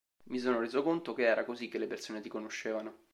Mi sono reso conto che era così che le persone ti conoscevano.